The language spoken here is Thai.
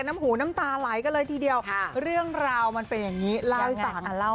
านโมหารจอเลจนี้เลิกแล้วจะเลิก